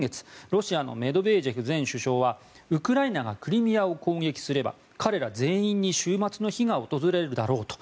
ロシアのメドベージェフ前首相はウクライナがクリミアを攻撃すれば彼ら全員に終末の日が訪れるだろうと。